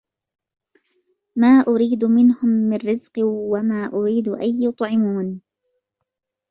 ما أُريدُ مِنهُم مِن رِزقٍ وَما أُريدُ أَن يُطعِمونِ